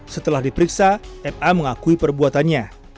setelah diperiksa ma mengakui perbuatannya